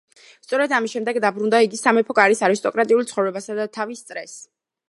სწორედ ამის შემდეგ დაუბრუნდა იგი სამეფო კარის არისტოკრატიულ ცხოვრებასა და თავის წრეს.